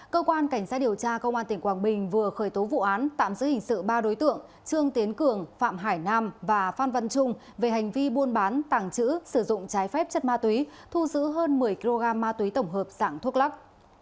cơ quan cảnh sát điều tra công an tỉnh quảng bình vừa khởi tố vụ án tạm giữ hình sự ba đối tượng trương tiến cường phạm hải nam và phan văn trung về hành vi buôn bán tàng trữ sử dụng trái phép chất ma túy thu giữ hơn một mươi kg ma túy tổng hợp dạng thuốc lắc